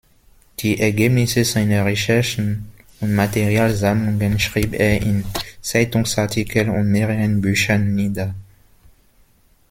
Die Ergebnisse seiner Recherchen und Materialsammlungen schrieb er in Zeitungsartikel und mehreren Büchern nieder.